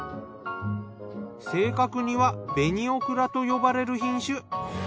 正確には紅オクラと呼ばれる品種。